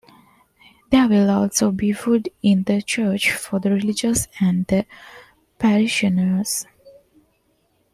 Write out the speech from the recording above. There will also be food in the church for the religious and the parishioners.